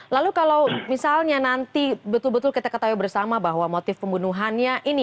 lalu kalau misalnya nanti betul betul kita ketahui bersama bahwa motif pembunuhannya ini